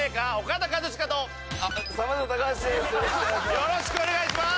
よろしくお願いします！